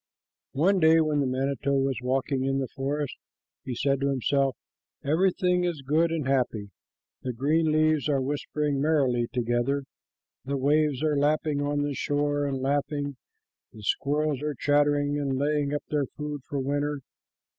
One day when the manito was walking in the forest, he said to himself, "Everything is good and happy. The green leaves are whispering merrily together, the waves are lapping on the shore and laughing, the squirrels are chattering and laying up their food for winter.